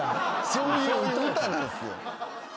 そういう歌なんすよ。